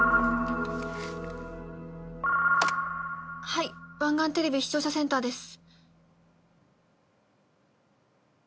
☎はい湾岸テレビ視聴者センターです。